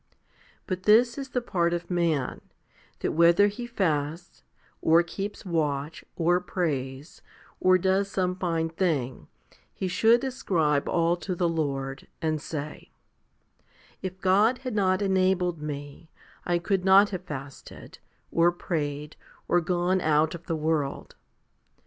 1 But this is the part of man, that whether he fasts, or keeps watch, or prays, or does some fine thing, he should ascribe all to the Lord, and say, " If God had not enabled me, I could not have fasted, or prayed, or gone out of the world."